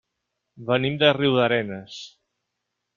Venim de Riudarenes.